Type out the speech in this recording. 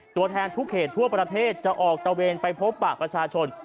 ตัวแทนทุกเขตทั่วประเทศจะออกตะเวนไปพบปากประชาชน